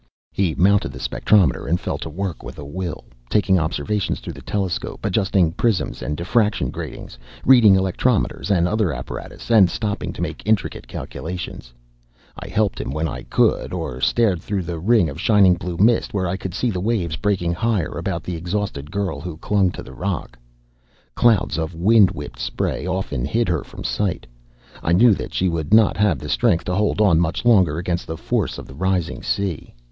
He mounted the spectrometer and fell to work with a will, taking observations through the telescope, adjusting prisms and diffraction gratings, reading electrometers and other apparatus, and stopping to make intricate calculations. I helped him when I could, or stared through the ring of shining blue mist, where I could see the waves breaking higher about the exhausted girl who clung to the rock. Clouds of wind whipped spray often hid her from sight. I knew that she would not have the strength to hold on much longer against the force of the rising sea.